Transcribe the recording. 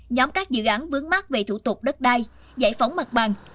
nhóm các dự án vướng mắt về thủ tục đất đai giải phóng mặt bằng